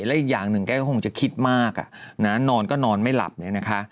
และอีกอย่างหนึ่งแกก็คงจะคิดมากนอนก็นอนไม่หลับเนี่ยนะคะ